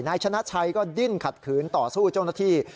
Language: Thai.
นายชนะชัยก็ดิ้นขัดขืนต่อสู้เจ้าหน้าที่